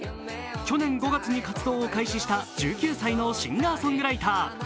去年５月に活動を開始した１９歳のシンガーソングライター。